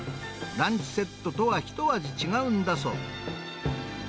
ランチセットとはひと味違うんだそう。